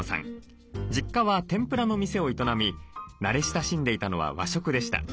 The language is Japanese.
実家は天ぷらの店を営み慣れ親しんでいたのは和食でした。